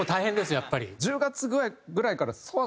やっぱり。